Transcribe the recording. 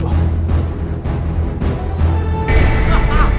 ini akan menjadi diriku